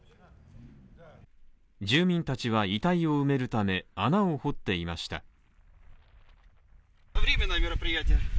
住民たちは遺体を埋めるため穴を掘っていました。